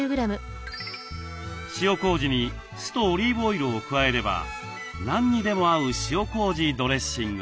塩こうじに酢とオリーブオイルを加えれば何にでも合う塩こうじドレッシングに。